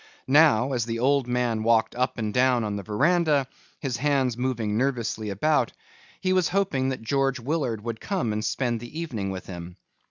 Now as the old man walked up and down on the veranda, his hands moving nervously about, he was hoping that George Willard would come and spend the evening with him.